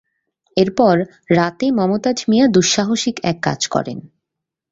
এরপর রাতে মমতাজ মিয়া দুঃসাহসিক এক কাজ করেন।